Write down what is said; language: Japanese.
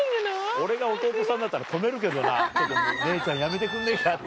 俺が弟さんだったら止めるけどな姉ちゃんやめてくんねえかって。